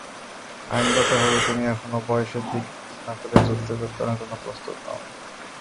আইনগতভাবে, তুমি এখনও বয়সের দিক বিবেচনা করলে যুদ্ধে যোগদানের জন্য প্রস্তুত নও।